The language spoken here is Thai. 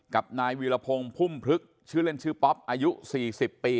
กับนายวีรพงศ์พุ่มพลึกชื่อเล่นชื่อป๊อปอายุ๔๐ปี